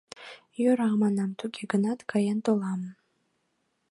— Йӧра, манам, туге гынат каен толам.